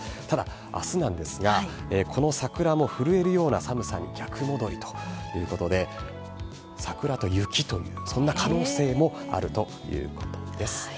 ただ、あすなんですが、この桜も震えるような寒さに逆戻りということで、桜と雪という、そんな可能性もあるということです。